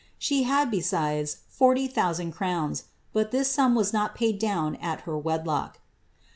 She had, besides, forty thousand crowns, but this sum was not paid down at her wedlock.